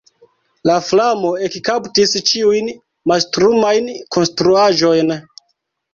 La flamo ekkaptis ĉiujn mastrumajn konstruaĵojn.